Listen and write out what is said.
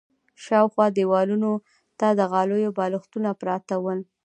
شاوخوا دېوالونو ته د غالیو بالښتونه پراته ول.